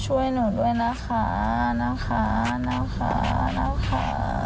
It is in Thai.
ช่วยหนูด้วยนะคะนะคะนะคะนะคะ